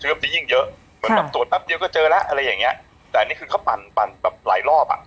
เหมือนตัวตัดเดียวก็เจอแล้วอะไรอย่างเงี้ยแต่อันนี้คือเขาปั่นหลายรอบ